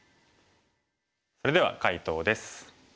それでは解答です。